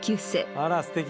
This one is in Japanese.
あらすてき。